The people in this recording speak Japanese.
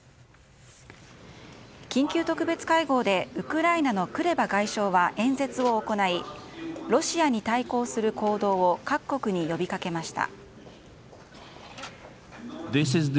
緊急特別会合でウクライナのクレバ外相は演説を行い、ロシアに対抗する行動を各国に呼びかけました。